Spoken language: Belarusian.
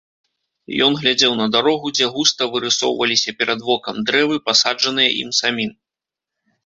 Ён глядзеў на дарогу, дзе густа вырысоўваліся перад вокам дрэвы, пасаджаныя ім самім.